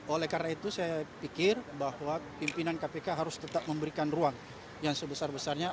oleh karena itu saya pikir bahwa pimpinan kpk harus tetap memberikan ruang yang sebesar besarnya